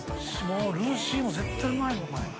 もうルーシーも絶対うまいもん。